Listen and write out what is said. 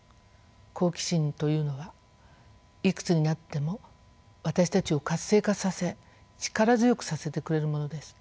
好奇心というのはいくつになっても私たちを活性化させ力強くさせてくれるものです。